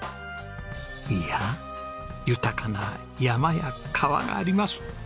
いや豊かな山や川があります。